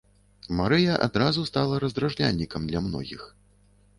Марыя адразу стала раздражняльнікам для многіх.